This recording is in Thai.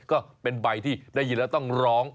ก็เป็นใบที่ได้ยินแล้วต้องร้อง